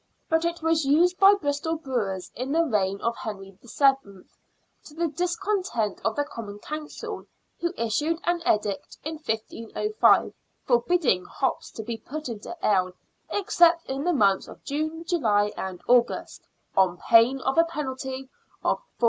But it was used by Bristol brewers in the reign of Henry VII., to the discon tent of the Common Council, who issued an edict in 1505, forbidding hops to be put into ale except in the months of June, July, and August, on pain of a penalty of 40s.